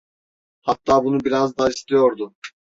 Hatta bunu biraz da istiyordu.